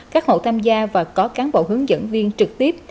các hộ tham gia và có cán bộ hướng dẫn viên trực tiếp